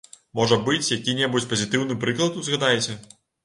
Можа быць, які-небудзь пазітыўны прыклад узгадаеце?